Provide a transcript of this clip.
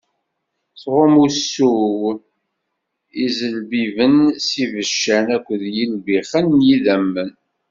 Tɣum usu-w i iẓelbebbin s yibeccan akked yilbixen n yidammen.